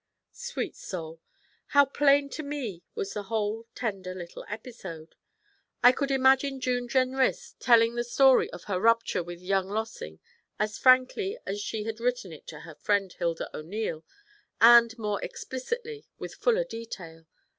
Sweet soul! How plain to me was the whole tender little episode! I could imagine June Jenrys telling the story of her rupture with young Lossing as frankly as she had written it to her friend Hilda O'Neil, and more explicitly, with fuller detail.